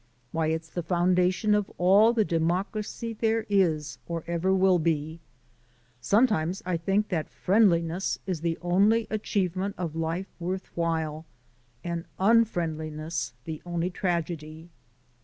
Why, it's the foundation of all the democracy there is, or ever will be. Sometimes I think that friendliness is the only achievement of life worth while and unfriendliness the only tragedy."